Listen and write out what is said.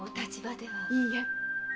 いいえ。